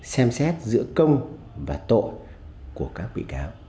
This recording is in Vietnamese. xem xét giữa công và tội